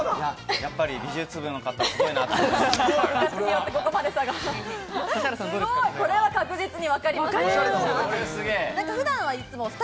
やっぱり美術部の方はすごいなと思いました。